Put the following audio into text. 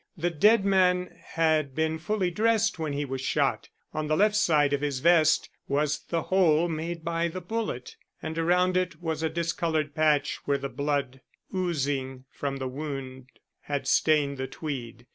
The dead man had been fully dressed when he was shot. On the left side of his vest was the hole made by the bullet, and around it was a discoloured patch where the blood, oozing from the wound, had stained the tweed.